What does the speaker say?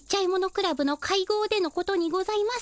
クラブの会合でのことにございます。